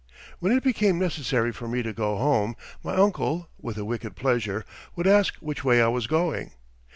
When it became necessary for me to go home, my uncle, with a wicked pleasure, would ask which way I was going.